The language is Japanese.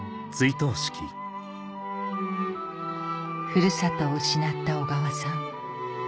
ふるさとを失った小川さん